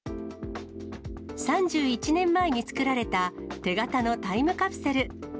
３１年前に作られた手形のタイムカプセル。